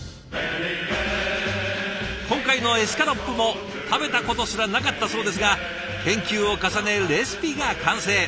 今回のエスカロップも食べたことすらなかったそうですが研究を重ねレシピが完成。